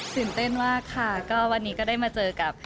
ตื่นเต้นมากค่ะก็วันนี้ก็ได้มาเจอกับ